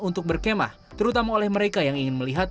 untuk berkemah terutama oleh mereka yang ingin melihat